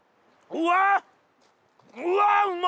うわうま！